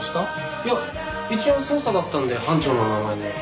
いや一応捜査だったんで班長の名前で。